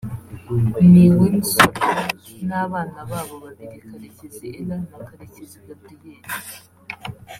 Niwin Sorlu n’abana babo babiri Karekezi Ellah na Karekezi Gabriel